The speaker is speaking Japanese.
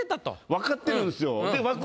分かってるんすよ。